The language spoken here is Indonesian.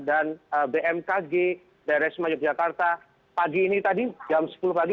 dan bmkg daerah semua yogyakarta pagi ini tadi jam sepuluh pagi